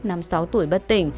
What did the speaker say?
năm sáu tuổi bất tỉnh